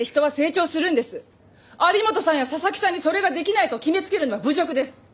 有本さんや佐々木さんにそれができないと決めつけるのは侮辱です。